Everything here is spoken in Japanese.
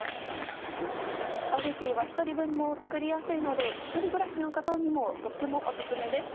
スパゲティは１人分も作りやすいので１人暮らしの方にもとってもお薦めです。